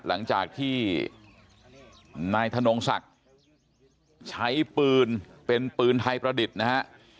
หลังจากที่นายธนงศักดิ์ใช้ปืนเป็นปืนไทยประดิษฐ์นะฮะ